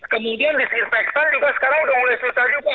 kemudian disinfektan juga sekarang sudah mulai susah juga